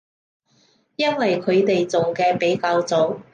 因為佢哋做嘅比較早